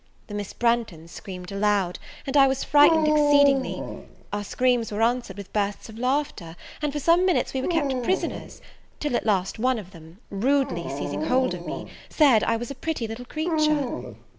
The Miss Branghtons screamed aloud, and I was frightened exceedingly; our screams were answered with bursts of laughter, and for some minutes we were kept prisoners, till at last one of them, rudely seizing hold of me, said I was a pretty little creature.